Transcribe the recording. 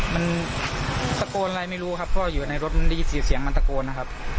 มันตะโกนอะไรไม่รู้ครับพ่ออยู่ในรถมันได้ยินเสียงมันตะโกนนะครับ